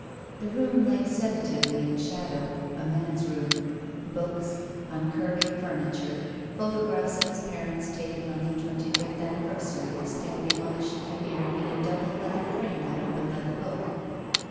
The room lay sedatively in shadow. A man's room. Books, tmcurving furniture, photo graphs of his parents taken on their twenty fifth anniversary standing on the chiffonier in a double leather frame that opened like a book.